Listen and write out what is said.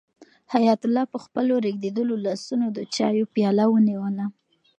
حیات الله په خپلو ریږېدلو لاسونو د چایو پیاله ونیوله.